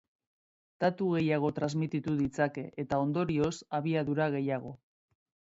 Datu gehiago transmititu ditzake, eta ondorioz, abiadura gehiago.